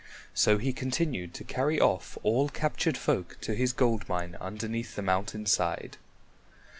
So he continued to carry off all captured folk to his gold mine underneath the mountain side.